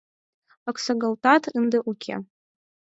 Оксагалтат ынде уке.